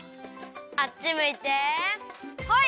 あっちむいてホイ！